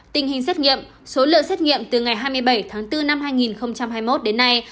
tình hình xét nghiệm số lượng xét nghiệm từ ngày hai mươi bảy tháng bốn năm hai nghìn hai mươi một đến nay